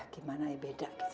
gimana ya beda gitu